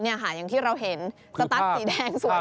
อย่างที่เราเห็นสตัสสีแดงสวย